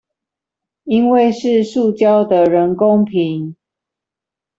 因為是塑膠的人工皮